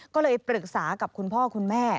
ก็เลยปรึกษากับคุณพ่อคุณแม่